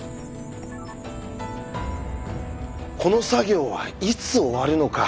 この作業はいつ終わるのか。